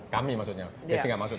kami maksudnya biasanya enggak masuk